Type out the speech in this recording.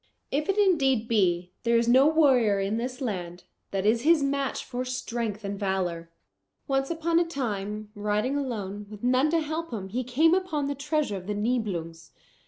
If it indeed be, there is no warrior in this land, that is his match for strength and valour. "Once upon a time riding alone, with none to help him, he came upon the treasure of the Nibelungs.